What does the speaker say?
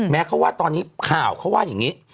เขาว่าตอนนี้ข่าวเขาว่าอย่างนี้